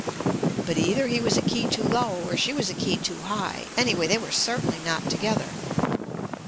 But either he was a key too low or she was a key too high, anyway they were certain ly not together.